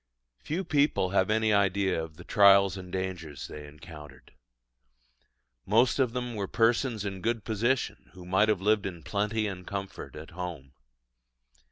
Few people have any idea of the trials and dangers they encountered. Most of them were persons in good position, who might have lived in plenty and comfort at home.